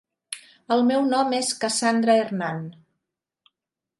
El meu nom és Cassandra Hernán.